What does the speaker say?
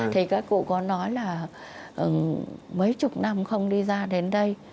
thì các cụ có nói là mấy chục năm không đi ra đến đây